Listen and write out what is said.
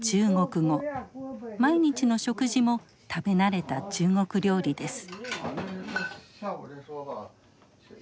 毎日の食事も食べ慣れた中国料理です。